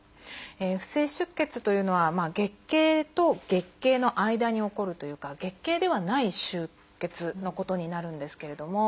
不正出血というのは月経と月経の間に起こるというか月経ではない出血のことになるんですけれども。